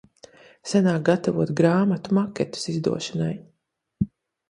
Sanāk gatavot grāmatu maketus izdošanai.